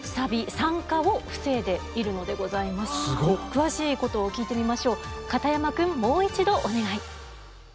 詳しいことを聞いてみましょう。